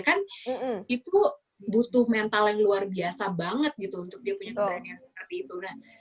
kan itu butuh mental yang luar biasa banget gitu untuk dia punya keberanian seperti itu